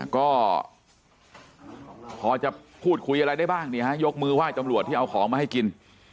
ก็พอจะพูดคุยอะไรได้บ้างยกมือไหว้ตำรวจที่เอาของมาให้กิน